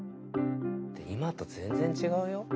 今と全然違うよ。